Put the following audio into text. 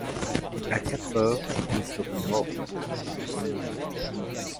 À quatre heures nous serons morts.